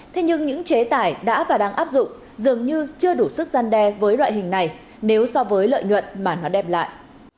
thế nhưng những chế tải đã và đang áp dụng dường như chưa đủ sức gian đe với loại hình này nếu so với lợi nhuận mà nó đem lại